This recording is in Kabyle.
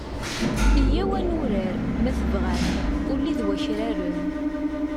Iyyaw ad nurar, ma tebɣam, ulli d wakraren.